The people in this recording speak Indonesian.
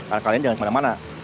anak kalian jangan kemana mana